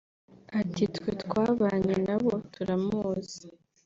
ati twe twabanye nabo turamuzi